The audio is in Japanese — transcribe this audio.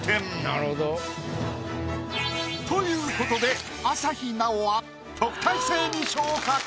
なるほど。ということで朝日奈央は特待生に昇格。